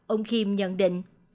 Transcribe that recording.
ông khiêm nhận định